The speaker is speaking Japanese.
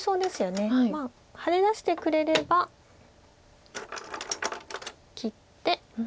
まあハネ出してくれれば切って。